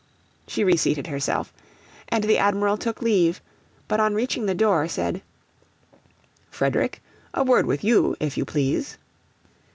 She reseated herself, and the Admiral took leave, but on reaching the door, said 'Frederick, a word with you if you please.'